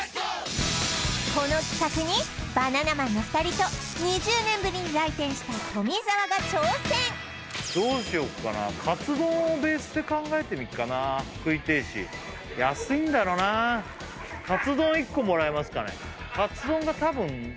この企画にバナナマンの２人と２０年ぶりに来店した富澤が挑戦どうしよっかな食いてえし安いんだろうなカツ丼１個もらえますかね？